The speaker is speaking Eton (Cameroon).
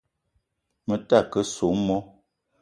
Me ta ke soo moo